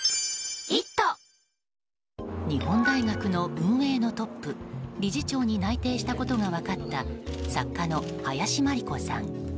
日本大学の運営のトップ理事長に内定したことが分かった作家の林真理子さん。